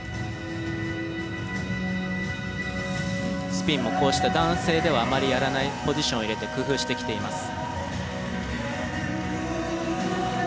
スピンもこうした男性ではあまりやらないポジションを入れて工夫してきています。